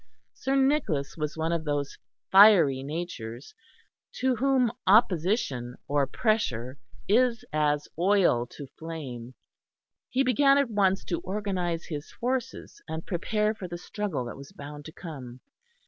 Sir Nicholas was one of those fiery natures to whom opposition or pressure is as oil to flame. He began at once to organise his forces and prepare for the struggle that was bound to come.